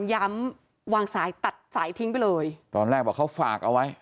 ย้ำวางสายตัดสายทิ้งไปเลยตอนแรกบอกเขาฝากเอาไว้